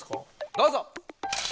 どうぞ！